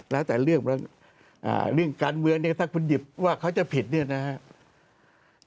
แล้วแต่เรื่องการเมืองเนี่ยถ้าคุณหยิบว่าเขาจะผิดเนี่ยนะครับ